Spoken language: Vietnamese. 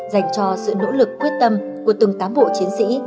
dành cho sự nỗ lực quyết tâm của từng cám bộ chiến sĩ